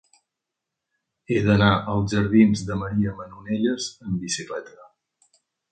He d'anar als jardins de Maria Manonelles amb bicicleta.